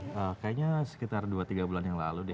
kayaknya sekitar dua tiga bulan yang lalu deh